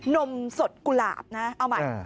นมสดกุหลาบนะเอาใหม่